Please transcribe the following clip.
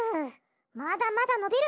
まだまだのびる。